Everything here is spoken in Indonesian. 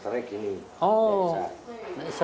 sekali tadi kami menunjukkan samurai preset